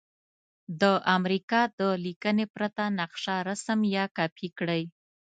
د امریکا د لیکنې پرته نقشه رسم یا کاپې کړئ.